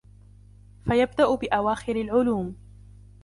فَيَبْدَأُ بِأَوَاخِرِ الْعُلُومِ